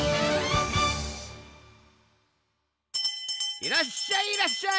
いらっしゃいいらっしゃい。